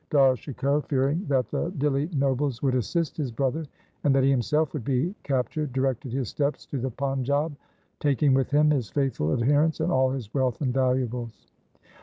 Dara Shikoh, fearing that the Dihli nobles would assist his brother and that he himself would be captured, directed his steps to the Panjab, taking with him his faithful adherents and all his wealth and valuables.